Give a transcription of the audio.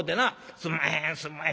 『すんまへんすんまへん』